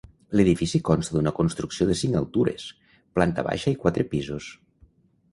L'edifici consta d'una construcció de cinc altures, planta baixa i quatre pisos.